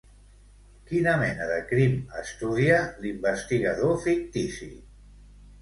Quina mena de crim estudia, l'investigador fictici?